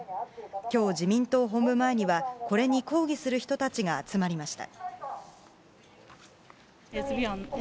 今日、自民党本部前にはこれに抗議する人たちが集まりました。